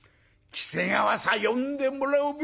喜瀬川さ呼んでもらうべ。